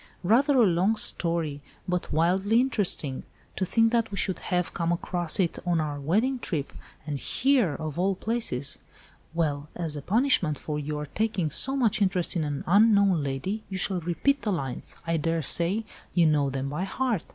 "Rather a long story, but wildly interesting. To think that we should have come across it on our wedding trip, and here of all places. Well, as a punishment for your taking so much interest in an unknown lady you shall repeat the lines. I daresay you know them by heart."